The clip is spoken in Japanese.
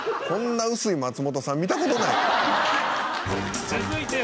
こんな薄い松本さん見た事ない。